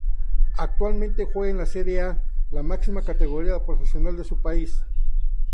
Actualmente juega en la Serie A, la máxima categoría profesional del país.